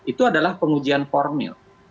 itu adalah pengujian formil